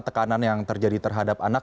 tekanan yang terjadi terhadap anak